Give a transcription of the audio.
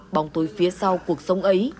bóng tối phía sau cuộc sống ấy